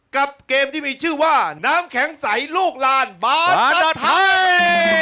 กับเกมที่มีชื่อว่าน้ำแข็งใสลูกลานบาทภาษาไทย